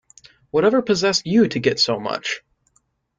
Whatever possessed you to get so much?